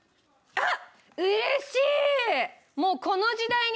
あっ！